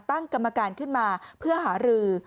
ตั้งกรรมการขึ้นมาเพื่อหารือ